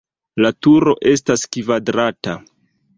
La turo estas kvadrata.